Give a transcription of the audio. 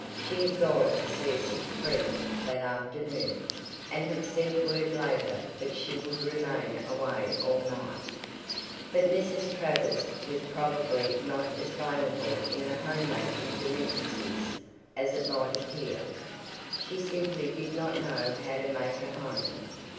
She had gone to see a sick friend that afternoon, and had sent word later that she would remain away all night. But Mrs. Travers was probably not as blamable in her home making delinquencies as it might appear. She simply did not know how to make a home.